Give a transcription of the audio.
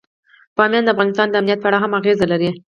بامیان د افغانستان د امنیت په اړه هم اغېز لري.